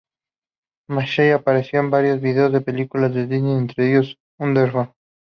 Massey ha aparecido en varios vídeos para películas de Disney, entre ellas "Underdog".